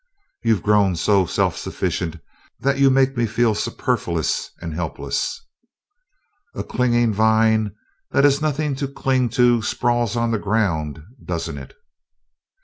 "You've grown so self sufficient that you make me feel superfluous and helpless." "A clinging vine that has nothing to cling to sprawls on the ground, doesn't it?"